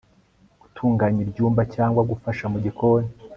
gutunganya ibyumba cyangwa gufasha mu gikoni